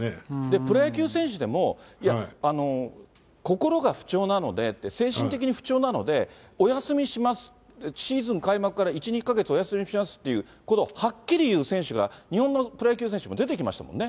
プロ野球選手でも、いや、心が不調なので、精神的に不調なのでお休みします、シーズン開幕から１、２か月お休みしますっていうことをはっきり言う選手が、日本のプロ野球選手にも出てきましたもんね。